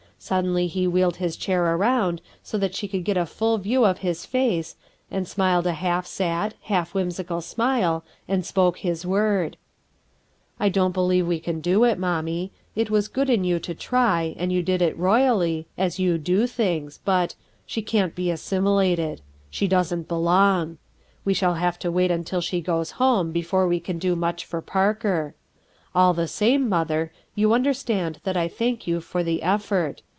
Suddenly he wheeled his chair around so that she could get a full THE OLD CAT! 67 view of liis face, and smiled a half sad, half whimsical smile, and spoke his word: — "I don't believe we can do it, Mommie. It was good in you to try, and you did it royally, as you do things, but — she can't be assimilated! She doesn't belong. We shall have to wait until she goes home before we can do much for Parker. All the same, mother, you under stand that I thank you for the effort.